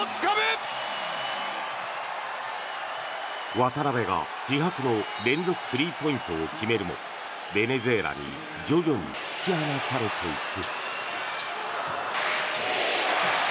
渡邊が気迫の連続スリーポイントを決めるもベネズエラに徐々に引き離されていく。